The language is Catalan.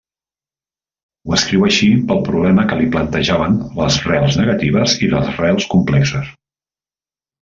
Ho escriu així pel problema que li plantejaven les rels negatives i les rels complexes.